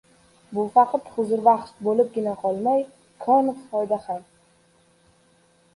bu faqat huzurbaxsh bo‘libgina qolmay koni foyda ham.